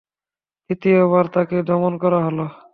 তৃতীয়বার তাকে দমন করা হল।